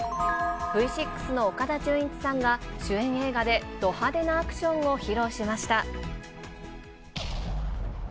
Ｖ６の岡田准一さんが、主演映画でど派手なアクションを披露しました。